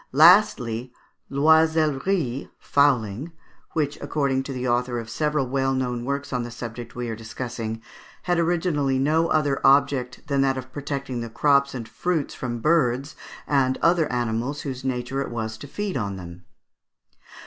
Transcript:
Lastly, l'oisellerie (fowling), which, according to the author of several well known works on the subject we are discussing, had originally no other object than that of protecting the crops and fruits from birds and other animals whose nature it was to feed on them.